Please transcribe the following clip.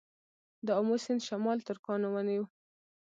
د امو سیند شمال ترکانو ونیو